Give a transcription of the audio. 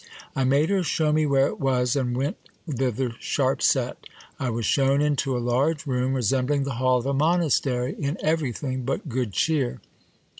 I made her shew me where it was, and went thither sharp set. I was shewn into a large room, resembling the hall of a monastery in everything but good cheer.